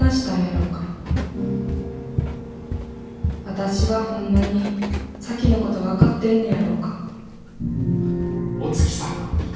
私はほんまに咲妃のこと分かってんね